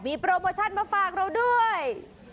มีโปรโมชั่นมาฝากเราด้วย